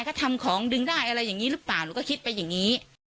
ก็ทำของดึงได้อะไรอย่างนี้หรือเปล่าหนูก็คิดไปอย่างนี้